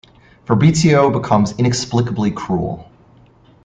Fabrizio becomes inexplicably cruel.